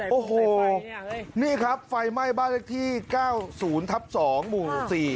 โอ้โหนี่ครับไฟไหม้บ้านเลขที่๙๐ทับ๒หมู่๔